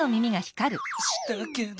したけど。